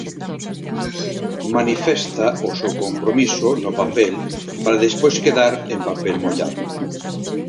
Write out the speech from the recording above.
Manifesta o seu compromiso no papel para despois quedar en papel mollado.